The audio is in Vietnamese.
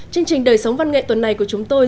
chương trình đời sống văn nghệ tuần này của chúng tôi